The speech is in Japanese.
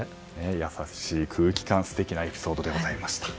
優しい空気感素敵なエピソードでございました。